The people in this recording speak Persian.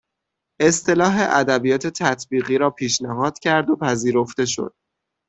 اصطلاح ادبیات تطبیقی را پیشنهاد کرد و پذیرفته شد